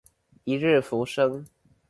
一日浮生